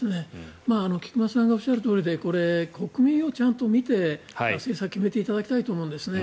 菊間さんがおっしゃるとおりでこれ、国民をちゃんと見て政策を決めていただきたいと思うんですよね。